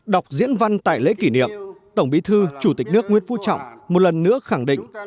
đọc diễn văn tại lễ kỷ niệm tổng bí thư chủ tịch nước nguyễn phú trọng một lần nữa khẳng định